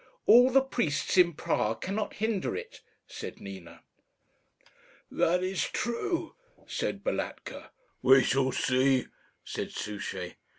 "All the priests in Prague cannot hinder it," said Nina. "That is true," said Balatka. "We shall see," said Souchey.